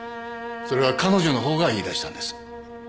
それは彼女の方が言いだしたんです。